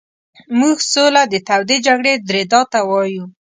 موږ سوله د تودې جګړې درېدا ته وایو.